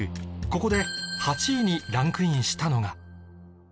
ここで８位にランクインしたのが